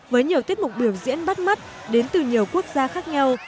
với nhiều tiết mục biểu diễn bắt mắt đến từ nhiều quốc gia khác nhau